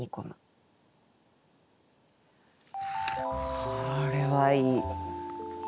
これはいい。